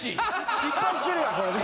失敗してるやんこれで。